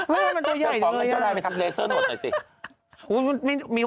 มันเจ้าใหญ่เลยเจ้าใหญ่น๊อคจะพร้อมกันเจ้าได้ไปทำเลเซอร์หนวดสิ